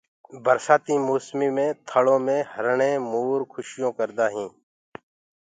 برسآتي موسم ٿݪو مي هرڻي مور کُشيون ڪردآ ٻولدآئين